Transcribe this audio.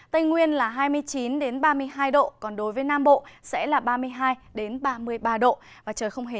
tây nguyên là hai mươi chín đến ba mươi hai độ còn đối với nam bộ sẽ là ba mươi hai